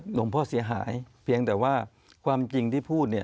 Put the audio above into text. หลวงพ่อเสียหายเพียงแต่ว่าความจริงที่พูดเนี่ย